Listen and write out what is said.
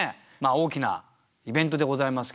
大きなイベントでございますけどもね。